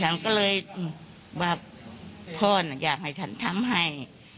ฉันก็เลยว่าพ่อน่ะอยากให้ฉันทำให้